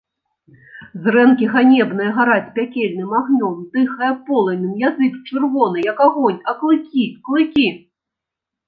Зрэнкі ганебныя гараць пякельным агнём, дыхае полымем, язык чырвоны, як агонь, а клыкі, клыкі!